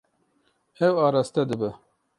Ew araste dibe.